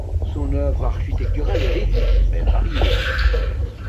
Son œuvre architecturale est réduite mais variée.